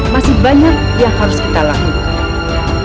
masih banyak yang harus kita lakukan